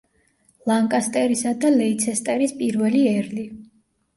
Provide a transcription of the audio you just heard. ლანკასტერისა და ლეიცესტერის პირველი ერლი.